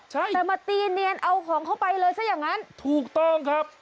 ใช่แต่มาตีเนียนเอาของเข้าไปเลยซะอย่างนั้นถูกต้องครับ